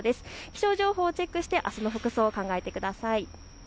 気象情報をチェックしてあすの服装を考えてください。